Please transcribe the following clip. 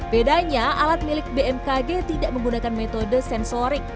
bedanya alat milik bmkg tidak menggunakan metode sensorik